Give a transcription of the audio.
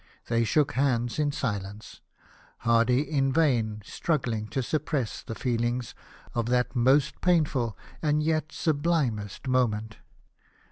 They shook hands in silence ; Hardy in vain struggling to suppress the feelings of that most pain ful and yet sublimest moment.